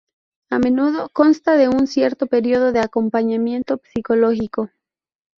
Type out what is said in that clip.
A menudo, consta de un cierto período de acompañamiento psicológico.